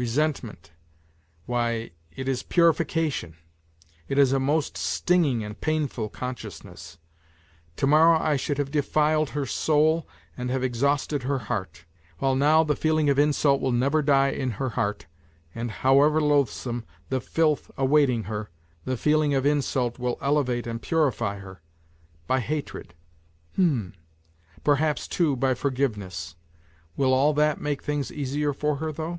Resentment why, it is purification; it is a most stinging and painful consciousness ! To morrow I should have defiled her soul and have exhausted her heart, while now the feeling of insult will never die in her heart, and however loathsome the filth awaiting her the feeling of insult will elevate and purify her ... by hatred ... h'm !... perhaps, too, by forgiveness. ... Will all that make things easier for her though?